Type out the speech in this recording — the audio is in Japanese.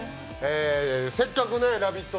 せっかくラヴィット！